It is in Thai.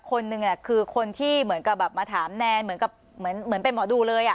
คนหนึ่งคือคนที่เหมือนกับแบบมาถามแนนเหมือนกับเหมือนเป็นหมอดูเลย